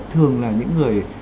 thường là những người